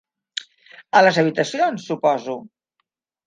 A les habitacions, suposo?